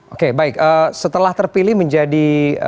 oke baik setelah terpilih menjadi